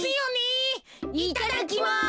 いただきます。